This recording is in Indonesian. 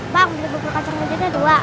bang beli bubur pacar nidilnya dua